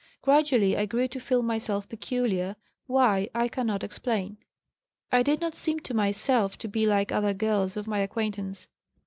Gradually I grew to feel myself peculiar, why, I cannot explain. I did not seem to myself to be like other girls of my acquaintance.